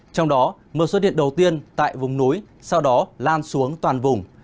trong đó mưa xuất điện đầu tiên tại vùng núi sau đó lan xuống toàn vùng